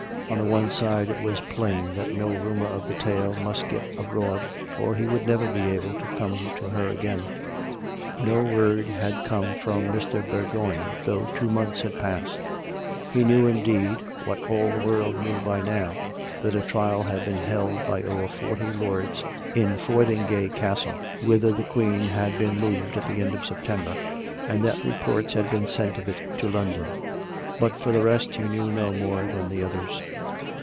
On the one side it was plain that no rumour of the tale must get abroad or he would never be able to come to her again; on the other side, no word had come from Mr. Bourgoign, though two months had passed. He knew, indeed, what all the world knew by now, that a trial had been Iield by over forty lords in Fotheringay Castle, whither the Queen had been moved COME RACK! COME ROPE ! 321 at the end of September, and that reports had been sent of it to London. But for the rest he knew no more than the others.